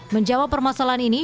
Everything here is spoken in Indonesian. menjawab permasalahan ini